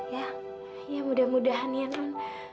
ya ya mudah mudahan ya kan